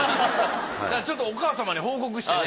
ちょっとお母様に報告してね。